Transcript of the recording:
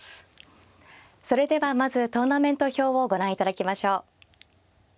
それではまずトーナメント表をご覧いただきましょう。